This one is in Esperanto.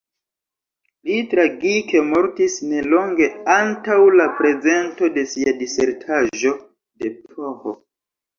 Li tragike mortis nelonge antaŭ la prezento de sia disertaĵo de Ph.